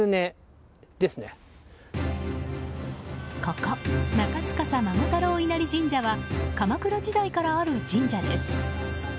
ここ、中司孫太郎稲荷神社は鎌倉時代からある神社です。